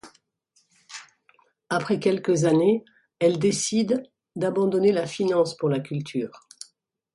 Après quelques années, elle décide d'abandonner la finance pour la culture.